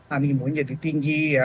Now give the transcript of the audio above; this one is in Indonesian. animo jadi tinggi ya